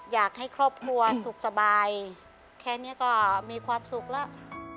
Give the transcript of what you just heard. อยากให้ครอบครัวสุขสบายแค่นี้ก็มีความสุขแล้ว